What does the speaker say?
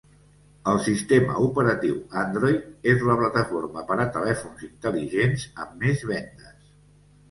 El sistema operatiu Android és la plataforma per a telèfons intel·ligents amb més vendes.